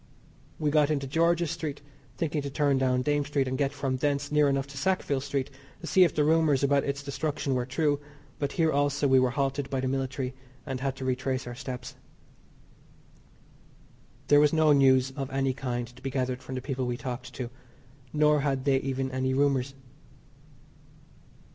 We got into George's Street, thinking to turn down Dame Street and get from thence near enough to Sackville Street to see if the rumours about its destruction were true, but here also we were halted by the military, and had to retrace our steps. There was no news of any kind to be gathered from the people we talked to, nor had they even any rumours.